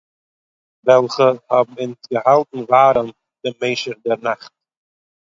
וועלכע האבן אונז געהאלטן ווארעם במשך דער נאכט